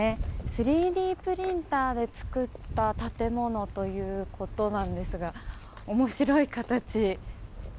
３Ｄプリンターで造った建物ということなんですが面白い形。